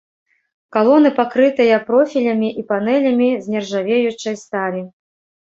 Калоны пакрытыя профілямі і панэлямі з нержавеючай сталі.